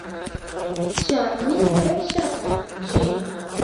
Ĉar mi tre ŝatas ĝin.